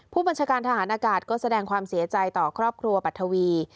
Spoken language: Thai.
ผู้บัญชาการทหารอากาศก็แสดงความเสียใจต่อครอบครัวปัทวี